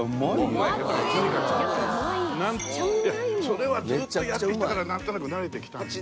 それはずっとやってきたからなんとなく慣れてきたんで。